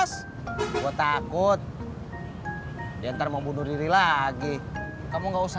si pur belum kesini tes